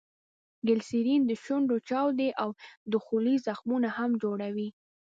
ګلیسرین دشونډو چاودي او دخولې زخمونه هم جوړوي.